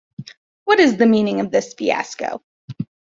What is the meaning of this fiasco?